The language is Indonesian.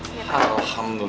dia ya udah yang lo kan